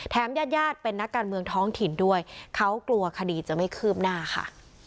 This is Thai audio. ญาติญาติเป็นนักการเมืองท้องถิ่นด้วยเขากลัวคดีจะไม่คืบหน้าค่ะ